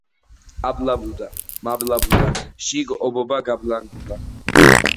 აბლაბუდა, მაბლაბუდა, შიგ ობობა გაბლანდულა.